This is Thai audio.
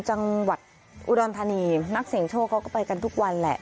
จังหวัดอุดรธานีนักเสียงโชคเขาก็ไปกันทุกวันแหละ